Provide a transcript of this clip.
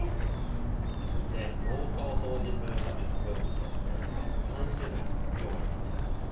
廊下をそうじするためのグッズとして３種類用意いたしました。